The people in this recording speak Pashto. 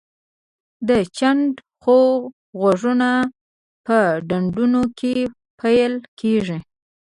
د چنډخو غږونه په ډنډونو کې پیل کیږي